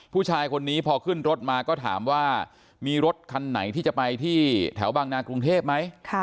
ผู้ชายคนนี้พอขึ้นรถมาก็ถามว่ามีรถคันไหนที่จะไปที่แถวบางนากรุงเทพไหม